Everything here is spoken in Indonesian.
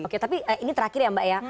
oke tapi ini terakhir ya mbak ya